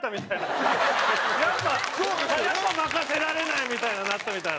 やっぱ田中任せられないみたいになったみたいな。